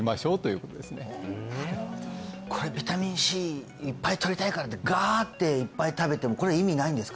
ふんビタミンＣいっぱい取りたいからってガーッていっぱい食べてもこれは意味ないんですか？